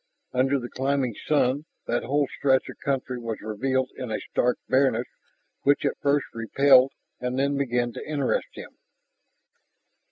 Under the climbing sun that whole stretch of country was revealed in a stark bareness which at first repelled, and then began to interest him.